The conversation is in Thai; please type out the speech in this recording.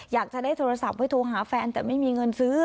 อยากจะได้โทรศัพท์ไว้โทรหาแฟนแต่ไม่มีเงินซื้อ